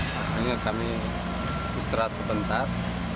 hingga kami istirahat sebentar